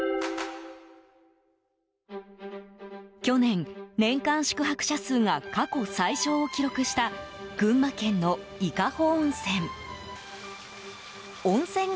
去年、年間宿泊者数が過去最少を記録した群馬県の伊香保温泉。